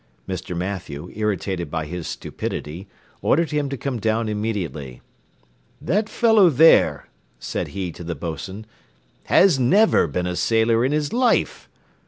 Mr. Mathew, irritated by his stupidity, ordered him to come down immediately. "That fellow there," said he to the boatswain, "has never been a sailor in his life.